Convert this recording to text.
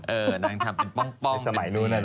เออนางทำเป็นป้องแบบนี้